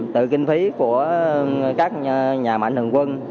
tự kinh phí của các nhà mạnh thường quân